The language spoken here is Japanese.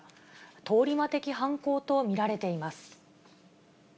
通り魔的犯行と見られています。